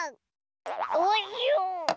およ。